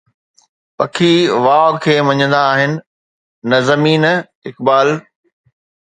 پکي واءُ کي مڃيندا آهن، نه زمين، اقبال